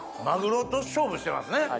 マグロと勝負してますね。